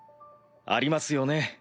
ありますよね